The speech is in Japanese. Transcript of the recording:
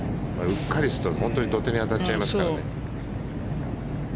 うっかりすると本当に土手に当たっちゃいますからね。